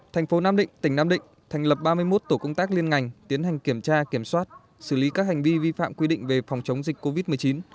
thành phố nam định tỉnh nam định thành lập ba mươi một tổ công tác liên ngành tiến hành kiểm tra kiểm soát xử lý các hành vi vi phạm quy định về phòng chống dịch covid một mươi chín